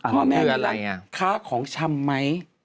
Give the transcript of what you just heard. เพราะแม้นี่ล่ะค้าของชำไหม